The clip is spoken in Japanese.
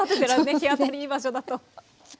日当たりいい場所だと。